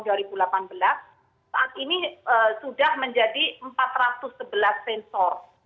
saat ini sudah menjadi empat ratus sebelas sensor